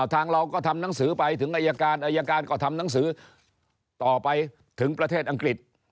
ทางเราก็ทำหนังสือไปถึงอายการอายการก็ทำหนังสือต่อไปถึงประเทศอังกฤษ